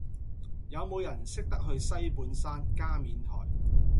有無人識得去西半山加冕臺